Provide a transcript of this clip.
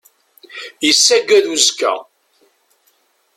Yessaggad uzekka.